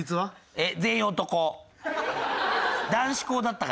えっ？